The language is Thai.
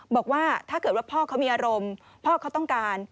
บอกว่าถ้าเกิดว่าพ่อเขามีอารมณ์พ่อเขาต้องการ